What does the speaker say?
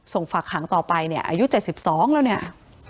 ฝากหางต่อไปเนี่ยอายุ๗๒แล้วเนี่ย